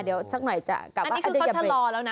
อ๋อเดี๋ยวสักหน่อยจะกลับอื้อนี่เบียบเร่งอันนี้ก็เค้าเฉลอแล้วนะ